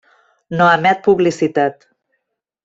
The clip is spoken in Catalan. No emet publicitat.